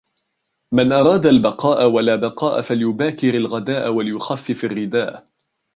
مَنْ أَرَادَ الْبَقَاءَ وَلَا بَقَاءَ فَلْيُبَاكِرْ الْغَدَاءَ وَلْيُخَفِّفْ الرِّدَاءَ